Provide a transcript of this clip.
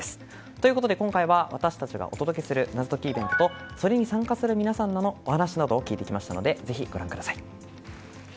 ということで今回は私たちがお届けする謎解きイベントそれに参加する皆さんのお話などを聞いてきましたのでぜひご覧ください。